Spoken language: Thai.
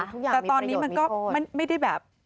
แต่ตอนนี้มันก็ไม่ได้แบบ